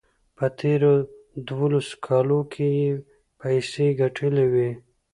په تېرو دولسو کالو کې یې پیسې ګټلې وې.